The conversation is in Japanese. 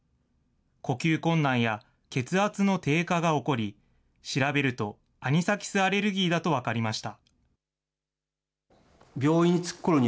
呼吸困難や血圧の低下が起こり、調べるとアニサキスアレルギーだと分かりました。